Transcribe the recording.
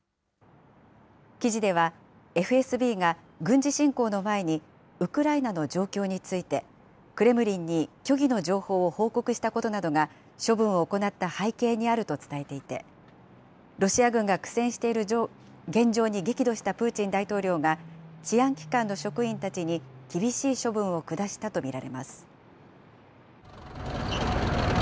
記事では、ＦＳＢが軍事侵攻の前に、ウクライナの状況について、クレムリンに虚偽の情報を報告したことなどが、処分を行った背景にあると伝えていて、ロシア軍が苦戦している現状に激怒したプーチン大統領が、治安機関の職員たちに厳しい処分を下したと見られます。